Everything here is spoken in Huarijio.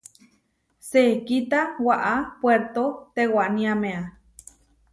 Sekíta waʼá Puérto tewaniámea.